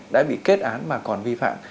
đã bị kết án mà còn vi phạm